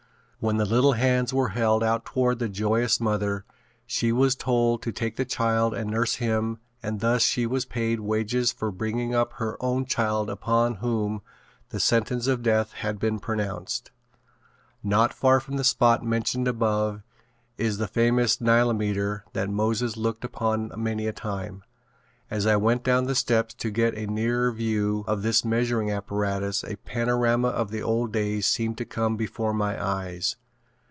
When the little hands were held out toward the joyous mother she was told to take the child and nurse him and thus she was paid wages for bringing up her own child upon whom the sentence of death had been pronounced. Not far from the spot mentioned above is the famous Nilometer that Moses looked upon many a time. As I went down the steps to get a nearer view of this measuring apparatus a panorama of the old days seemed to come before my eyes.